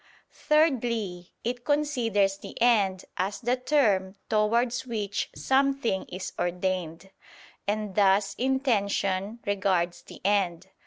Thirdly, it considers the end as the term towards which something is ordained; and thus "intention" regards the end.